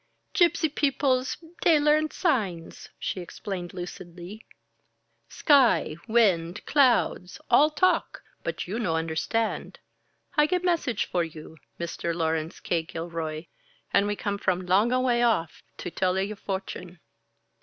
"Gypsy peoples, dey learn signs," she explained lucidly. "Sky, wind, clouds all talk but you no understand. I get message for you Mr. Laurence K. Gilroy and we come from long a way off to tell a your fortune."